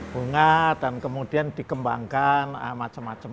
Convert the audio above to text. bunga dan kemudian dikembangkan macam macam